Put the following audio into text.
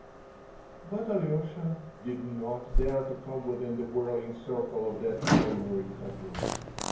But Alyosha did not dare to come within the whirling circle of that ivory cudgel.